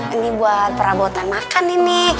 ini buat perabotan makan ini